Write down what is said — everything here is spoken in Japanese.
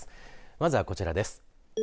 まずはこちらです。